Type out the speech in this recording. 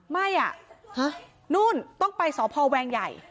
ไม่อ่ะฮะนู่นต้องไปสพแวงใหญ่